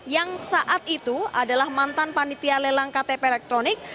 yang saat itu adalah mantan panitia lelang ktp elektronik